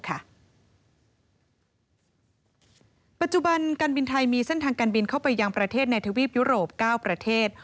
ปัจจุบันการบินไทยมีเส้นทางการบินเข้าไปยังประเทศในทวีปยุโรป๙ประเทศ